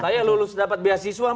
saya lulus dapat beasiswa